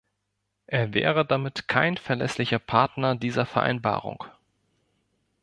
Er wäre damit kein verlässlicher Partner dieser Vereinbarung.